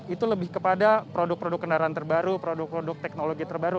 itu lebih kepada produk produk kendaraan terbaru produk produk teknologi terbaru